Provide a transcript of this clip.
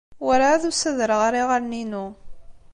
Werɛad ur ssadreɣ ara iɣallen-inu.